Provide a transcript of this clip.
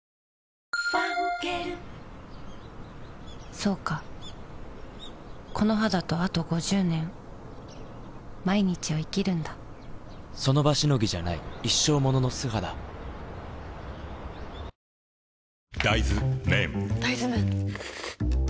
そうかこの肌とあと５０年その場しのぎじゃない一生ものの素肌大豆麺ん？